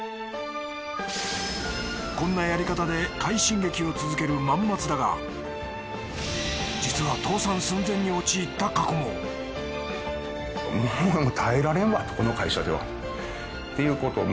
こんなやり方で快進撃を続ける万松だが実は倒産寸前に陥った過去ももう。